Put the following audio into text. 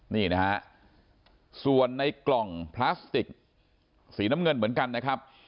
นี่นะฮะส่วนในกล่องพลาสติกสีน้ำเงินเหมือนกันนะครับ